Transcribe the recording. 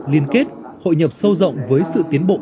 liên kết hội nhập sâu rộng với sự tiến bộ